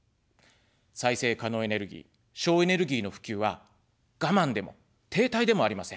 再生可能エネルギー、省エネルギーの普及は我慢でも停滞でもありません。